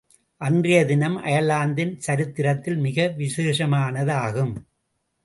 அன்றைய தினம் அயர்லாந்தின் சரித்திரத்தில் மிக விசேஷமானதாகும்.